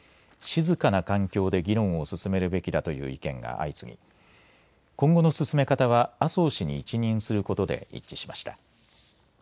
静かな環境で議論を進めるべきだという意見が相次ぎ今後の進め方は麻生氏に一任することで一致しました。